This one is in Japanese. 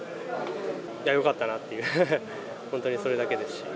いや、よかったなっていう、本当にそれだけです。